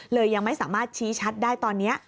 ยังไม่สามารถชี้ชัดได้ตอนนี้